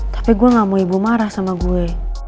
tapi gue gak mau ibu marah sama gue